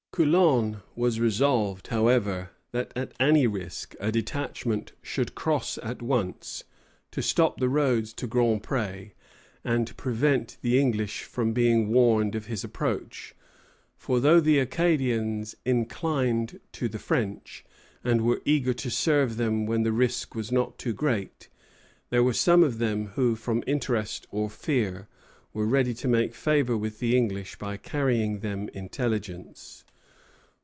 Coulon was resolved, however, that at any risk a detachment should cross at once, to stop the roads to Grand Pré, and prevent the English from being warned of his approach; for though the Acadians inclined to the French, and were eager to serve them when the risk was not too great, there were some of them who, from interest or fear, were ready to make favor with the English by carrying them intelligence.